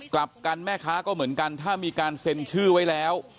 กลับกันแม่ค้าก็เหมือนกันถ้ามีการเซ็นชื่อไว้แล้ว